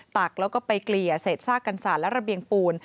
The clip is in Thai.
ตักแล้วก็ไปเกลี่ยเศษซากกันศาสตร์และระเบียงปูน